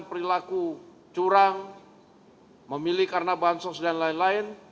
perilaku curang memilih karena bansos dan lain lain